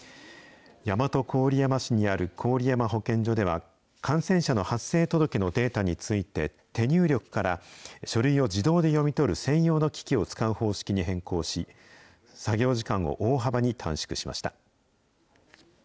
大和郡山市にある郡山保健所では、感染者の発生届のデータについて、手入力から書類を自動で読み取る専用の機器を使う方式に変更し、作業時間を大幅に短縮しました。